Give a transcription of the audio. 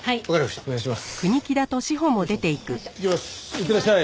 いってらっしゃい。